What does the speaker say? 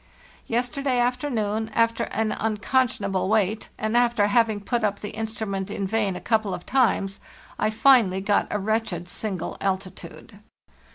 Yesterday afternoon, after an uncon scionable wait, and after having put up the instrument in vain a couple of times, I finally got a wretched single altitude.